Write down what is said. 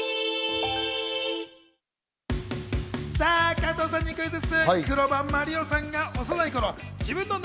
加藤さんにクイズッス！